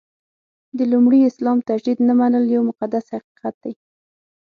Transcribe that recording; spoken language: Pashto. د لومړي اسلام تجدید نه منل یو مقدس حقیقت دی.